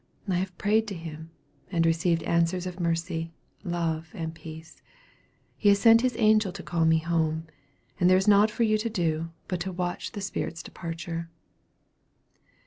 I have prayed to him, and received answers of mercy, love, and peace. He has sent His angel to call me home, and there is nought for you to do but to watch the spirit's departure."